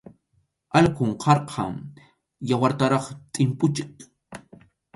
Alqum karqan, yawartaraq tʼimpuchiq.